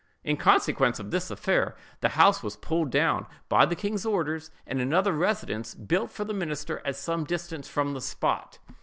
In consequence of this affair, the house was pulled down, by the king's orders, and another residence built for the minister at some distance from the spot.